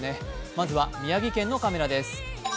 まずは宮城県のカメラです。